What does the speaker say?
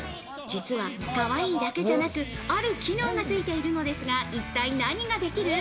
実はかわいいだけじゃなく、ある機能がついているのですが、一体何ができる？